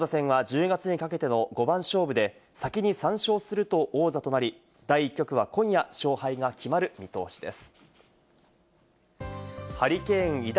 王座戦は１０月にかけての五番勝負で先に３勝すると王座となり、第１局は今夜、勝敗が決まる見通しです。